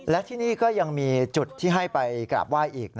และที่นี่ก็ยังมีจุดที่ให้ไปกราบไหว้อีก